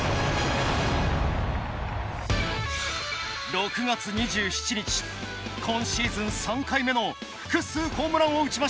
６月２７日今シーズン３回目の複数ホームランを打ちました。